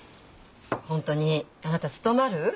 本当にあなた務まる？